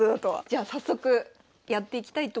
じゃあ早速やっていきたいと思います。